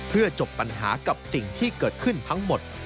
เพื่อจบปัญหากับสิ่งที่เกิดขึ้นทั้งหมด